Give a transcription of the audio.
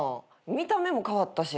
見た目も変わったし。